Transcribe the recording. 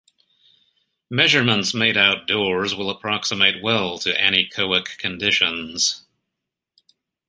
Measurements made outdoors will approximate well to anechoic conditions.